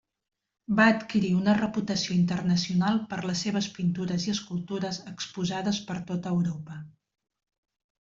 Va adquirir una reputació internacional per les seves pintures i escultures exposades per tota Europa.